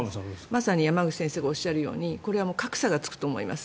まさに山口先生がおっしゃるようにこれは格差がつくと思います。